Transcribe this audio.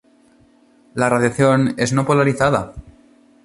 La radiación es no polarizada.